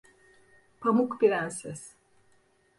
Pamuk Prenses.